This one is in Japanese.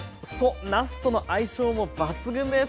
なすとの相性も抜群です！